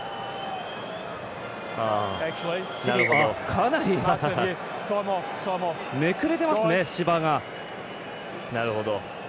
かなりめくれてますね、芝が。